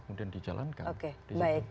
kemudian dijalankan oke baik